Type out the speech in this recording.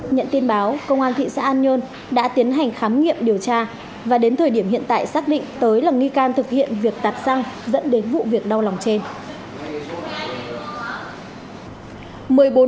nhận tin báo công an thị xã an nhơn đã tiến hành khám nghiệm điều tra và đến thời điểm hiện tại xác định tới là nghi can thực hiện việc tạt xăng dẫn đến vụ việc đau lòng trên